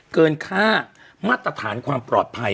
เกินค่ามาตรฐานความปลอดภัย